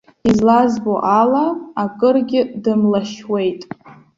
Излазбо ала, акыргьы дымлашьуеит.